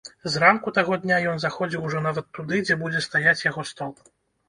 Зранку таго дня ён заходзіў ужо нават туды, дзе будзе стаяць яго стол.